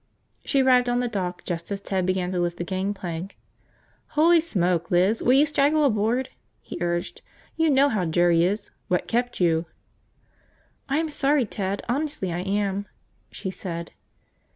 She arrived on the dock just as Ted began to lift the gangplank. "Holy smoke, Liz, will you straggle aboard!" he urged. "You know how Jerry is! What kept you?" "I'm sorry Ted, honestly I am," she said.